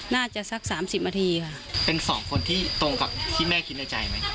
สักสามสิบนาทีค่ะเป็นสองคนที่ตรงกับที่แม่คิดในใจไหม